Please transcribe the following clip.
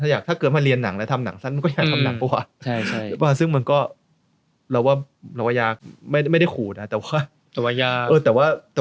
ยืนโล่งมากกว่าเดือนอะ